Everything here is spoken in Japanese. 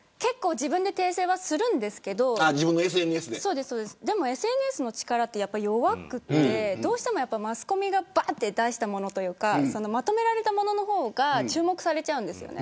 自分で訂正はするんですけどＳＮＳの力ってやっぱり弱くてマスコミが出したものというかまとめられたものの方が注目されちゃうんです。